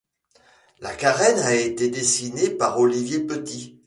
La carène a été dessinée par Olivier Petit.